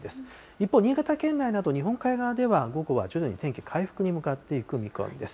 一方、新潟県内など日本海側では午後は徐々に天気、回復に向かっていく見込みです。